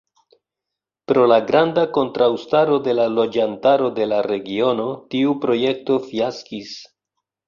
Pro la granda kontraŭstaro de la loĝantaro de la regiono, tiu projekto fiaskis.